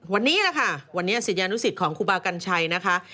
วันนี้นะคะศิษยานุสิตของครูบากัญชัยนะคะ